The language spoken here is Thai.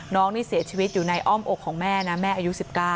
น้องนี่เสียชีวิตอยู่ในอ้อมอกของแม่นะแม่อายุ๑๙